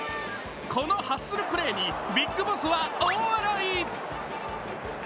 このハッスルプレーにＢＩＧＢＯＳＳは大笑い。